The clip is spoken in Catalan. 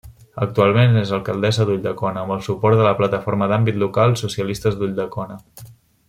Actualment és alcaldessa d'Ulldecona amb el suport de la plataforma d'àmbit local Socialistes d'Ulldecona.